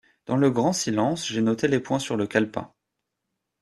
Dans le grand silence, j’ai noté les points sur le calepin.